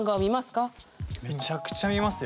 めちゃくちゃ見ますよ！